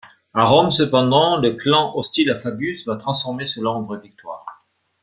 À Rome cependant, le clan hostile à Fabius va transformer cela en vraie victoire.